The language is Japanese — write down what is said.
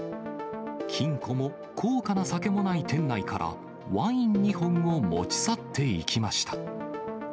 金庫も高価な酒もない店内から、ワイン２本を持ち去っていきました。